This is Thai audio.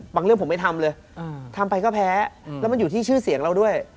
เรื่องผมไม่ทำเลยทำไปก็แพ้แล้วมันอยู่ที่ชื่อเสียงเราด้วย